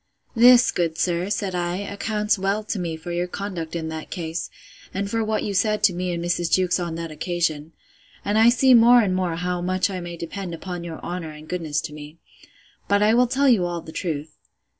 This, good sir, said I, accounts well to me for your conduct in that case, and for what you said to me and Mrs. Jewkes on that occasion: And I see more and more how much I may depend upon your honour and goodness to me.—But I will tell you all the truth.